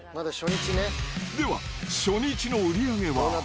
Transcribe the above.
では、初日の売り上げは。